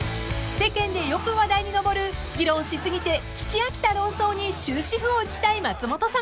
［世間でよく話題に上る議論し過ぎて聞き飽きた論争に終止符を打ちたい松本さん］